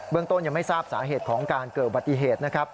เบื้องต้นยังไม่ทราบสาเหตุของการเกิดปฏิเหตุนะครับ